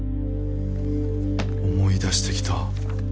思い出してきた